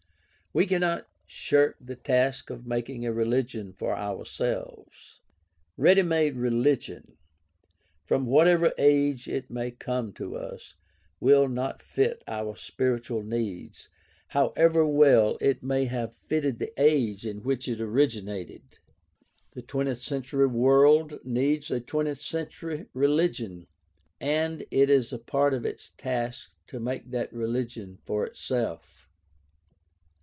We cannot shirk the task of making a religion for ourselves. Ready made religion, from whatever age it may come to us, will not fit our spiritual needs, however well it may have fitted the age in which it originated. The twentieth century world needs a twentieth century religion, and it is part of its task to make that religion for itself.